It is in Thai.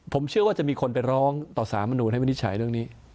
ผมเชื่อว่าจะมีคนไปร้องต่อสารมนุนให้วินิจฉัยเรื่องนี้